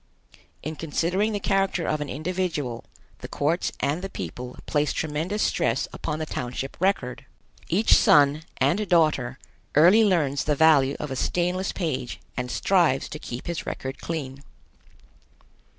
In considering the character of an individual, the courts and the people place tremendous stress upon the township record. Each son and daughter early learns the value of a stainless page and strives to keep his record clean.